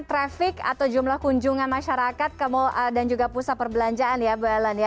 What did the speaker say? trafik atau jumlah kunjungan masyarakat ke mall dan juga pusat perbelanjaan ya bu helen